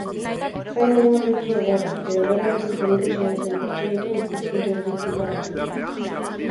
Zaila egingo zaizu egoera, edo egoerarekin zerikusia duten pertsonekin ikuspuntu objektiboa edukitzea.